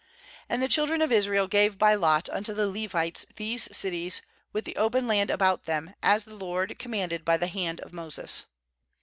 8And the children of Israel gave by lot unto the Levites these cities with the open land about them, as the LOKD commanded by the hand of Moses.